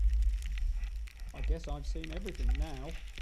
I guess I've seen everything now.